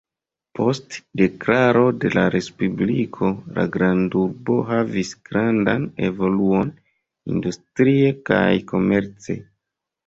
Post deklaro de la respubliko la grandurbo havis grandan evoluon industrie kaj komerce.